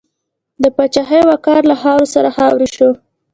د پاچاهۍ وقار له خاورو سره خاورې شو.